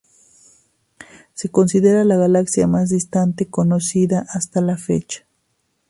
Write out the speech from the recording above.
Se considera la galaxia más distante conocida hasta la fecha.